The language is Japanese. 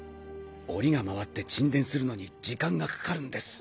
オリがまわって沈殿するのに時間がかかるんです。